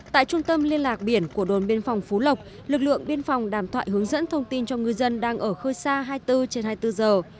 tại trung tâm liên lạc biển của đồn biên phòng phú lộc lực lượng biên phòng đàm thoại hướng dẫn thông tin cho ngư dân đang ở khơi xa hai mươi bốn trên hai mươi bốn giờ